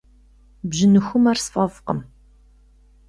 Бжьыныхумэр сфӏэфӏкъым.